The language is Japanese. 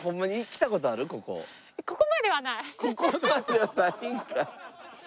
ここまではないんかい。